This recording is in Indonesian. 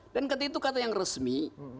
dan kata itu kata yang resmi